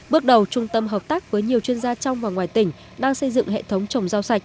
bước đầu trung tâm hợp tác với nhiều chuyên gia trong và ngoài tỉnh đang xây dựng hệ thống trồng rau sạch